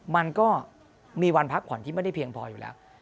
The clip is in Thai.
มันก็มีวันพักผ่อนที่ไม่ได้เพียงพออยู่แล้ว